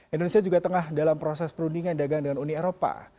indonesia juga tengah dalam proses perundingan dagang dengan uni eropa